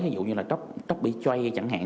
ví dụ như là copy trade chẳng hạn